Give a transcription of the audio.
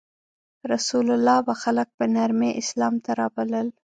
رسول الله به خلک په نرمۍ اسلام ته رابلل.